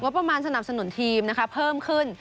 งบประมาณสนับสนุนทีมเพิ่มขึ้น